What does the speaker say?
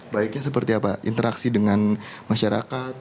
baiknya seperti apa interaksi dengan masyarakat